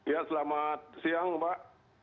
ya selamat siang mbak